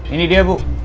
ini dia bu